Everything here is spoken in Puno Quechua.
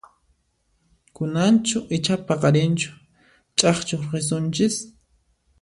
Kunanchu icha paqarinchu chakchuq risunchis?